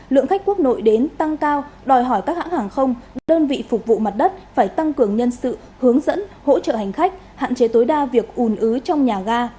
lượng khách quốc nội đến tăng cao đòi hỏi các hãng hàng không đơn vị phục vụ mặt đất phải tăng cường nhân sự hướng dẫn hỗ trợ hành khách hạn chế tối đa việc ùn ứ trong nhà ga